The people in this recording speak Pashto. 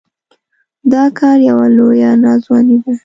دا کار يوه لويه ناځواني ده.